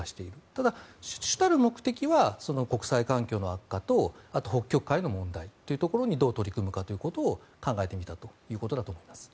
ただ、主たる目的は国際環境の悪化とあとは北極海の問題というところにどう取り組むかというのを考えたということだと思います。